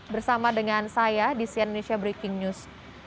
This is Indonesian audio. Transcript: bersama dengan saya di sian indonesia breaking news